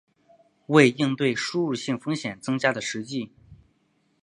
为应对输入性风险增加的实际